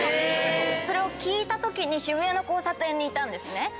それを聞いた時渋谷の交差点にいたんですね。